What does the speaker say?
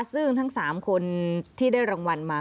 ซึ่งทั้ง๓คนที่ได้รางวัลมา